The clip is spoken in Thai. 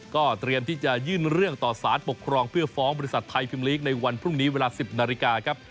ก็เตรียมที่จะยื่นเรื่องต่อสารปกครองเพื่อฟ้องบริษัทไทยพิมลีกในวันพรุ่งนี้เวลา๑๐นาฬิกาครับ